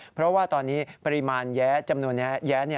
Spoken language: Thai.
เพราะว่าตอนนี้ปริมาณแย้จำนวนนี้แย้